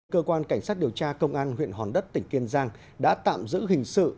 cơ quan cảnh sát điều tra công an huyện hòn đất tỉnh kiên giang đã tạm giữ hình sự